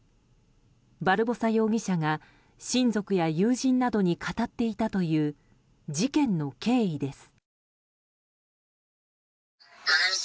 バルボサ容疑者が親族や友人などに語っていたという事件の経緯です。